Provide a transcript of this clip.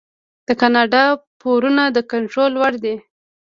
د کاناډا پورونه د کنټرول وړ دي.